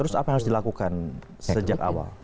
terus apa yang harus dilakukan sejak awal